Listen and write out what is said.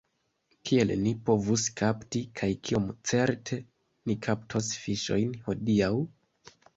Kiel ni povus kapti, kaj kiom certe ni kaptos fiŝojn hodiaŭ?